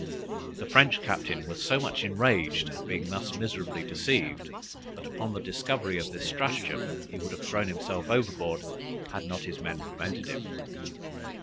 The French captain was so much enraged at being thus miserably deceived, that, upon the discovery of the stratagem, he would have thrown himself overboard, had not his men prevented him.